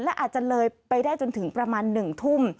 และอาจจะเลยไปได้จนถึงประมาณ๑ทุ่ม